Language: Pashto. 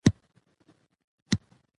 دا موضوع په ډېر تفصیل سره بیان شوه.